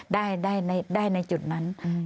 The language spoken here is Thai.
ได้ในจุดนั้น